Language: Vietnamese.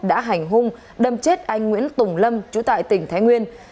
đã hành hung đâm chết anh nguyễn tùng lâm chú tại tỉnh thái nguyên